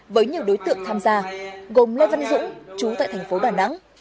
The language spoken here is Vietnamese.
với nhiều đối tượng tham gia gồm lê văn dũng chú tại thành phố đà nẵng